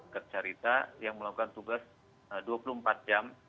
ger charita yang melakukan tugas dua puluh empat jam